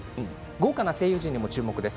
豪華な声優陣にも注目です。